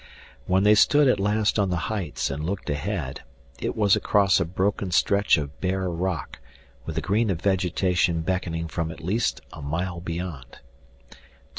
When they stood at last on the heights and looked ahead, it was across a broken stretch of bare rock with the green of vegetation beckoning from at least a mile beyond.